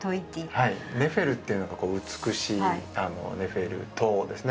はいネフェルっていうのが「美しい」ネフェルとですね